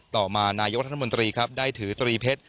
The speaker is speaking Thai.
ต่อมานายกรัฐมนตรีครับได้ถือตรีเพชร